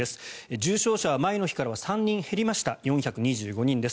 重症者は前の日からは３人減りました４２５人です。